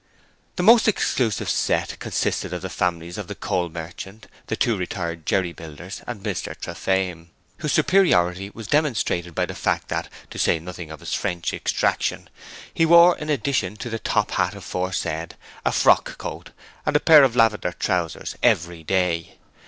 The most exclusive set consisted of the families of the coal merchant, the two retired jerry builders and Mr Trafaim, whose superiority was demonstrated by the fact that, to say nothing of his French extraction, he wore in addition to the top hat aforesaid a frock coat and a pair of lavender trousers every day.